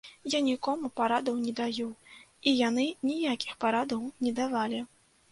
Я нікому парадаў не даю, і яны ніякіх парадаў не давалі.